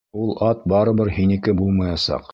Ул ат барыбер һинеке булмаясаҡ!